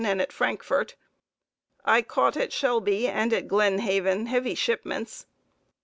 and at Frankfort. I caught at Shelby and at Glen Haven heavy shipments.